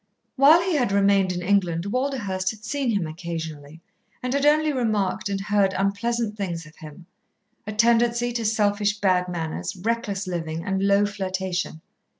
While he had remained in England, Walderhurst had seen him occasionally, and had only remarked and heard unpleasant things of him, a tendency to selfish bad manners, reckless living, and low flirtation.